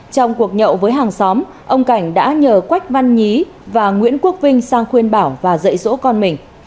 trong cuộc nhậu với hàng xóm ông cảnh đã nhờ quách văn nhí và nguyễn quốc vinh sang khuyên bảo và dạy dỗ con mình